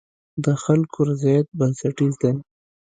د خلکو رضایت بنسټیز دی.